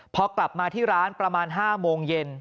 พอกลับมาที่ร้านประมาณ๕โมงเย็น